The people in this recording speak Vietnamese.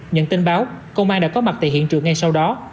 nhận tin báo công an đã có mặt tại hiện trường ngay sau đó